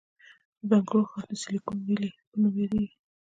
د بنګلور ښار د سیلیکون ویلي په نوم یادیږي.